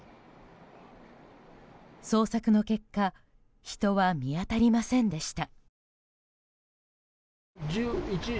捜索の結果人は見当たりませんでした。